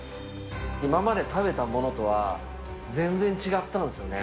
今まで食べたものとは全然違ったんですよね。